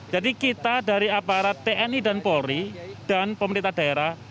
jadi kita dari aparat tni dan polri dan pemerintah daerah